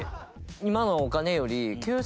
今のお金より。